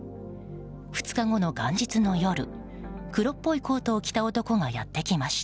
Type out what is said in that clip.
２日後の元日の夜黒っぽいコートを着た男がやってきました。